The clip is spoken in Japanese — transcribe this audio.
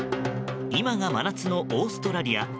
今が真夏のオーストラリア。